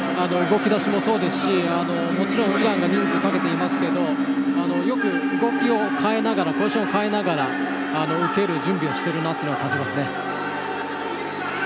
動き出しもそうですしイランが人数をかけていますがよく動きを変えながらポジションを変えながら受ける準備をしていると感じます。